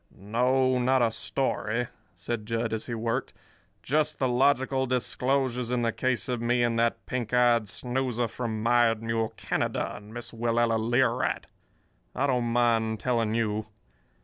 "No, not a story," said Jud, as he worked, "but just the logical disclosures in the case of me and that pink eyed snoozer from Mired Mule Canada and Miss Willella Learight. I don't mind telling you.